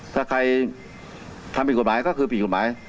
ถ้าใครทำผิดกฎหมายก็คือผิดกฎหมาย